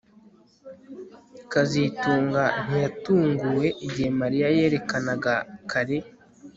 kazitunga ntiyatunguwe igihe Mariya yerekanaga kare